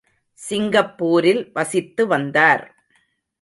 சிங்கப்பூரில் வசித்து வந்தார்.